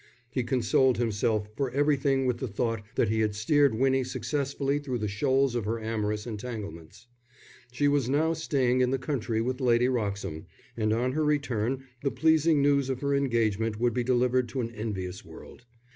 He consoled himself for everything with the thought that he had steered Winnie successfully through the shoals of her amorous entanglements. She was now staying in the country with Lady Wroxham, and on her return the pleasing news of her engagement would be delivered to an envious world.